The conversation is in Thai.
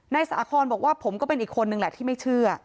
สาคอนบอกว่าผมก็เป็นอีกคนนึงแหละที่ไม่เชื่อ